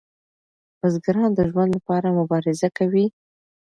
بزګران د ژوند لپاره مبارزه کوي.